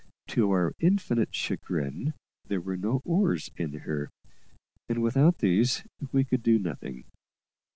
To our infinite chagrin, there were no oars in her, and without these we could do nothing.